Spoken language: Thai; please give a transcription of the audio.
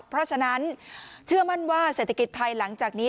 เพราะฉะนั้นเชื่อมั่นว่าเศรษฐกิจไทยหลังจากนี้